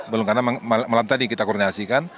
belum karena malam tadi kita koordinasikan